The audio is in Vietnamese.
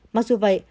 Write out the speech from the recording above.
mặc dù vậy